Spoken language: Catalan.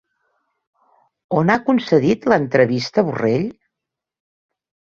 On ha concedit l'entrevista Borrell?